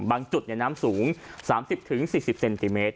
บางจุดน้ำสูง๓๐๔๐เซนติเมตร